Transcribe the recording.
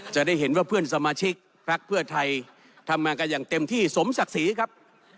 จะได้เห็นว่าเพื่อนสมาชิกพักเพื่อไทยทำงานกันอย่างเต็มที่สมศักดิ์ศรีครับ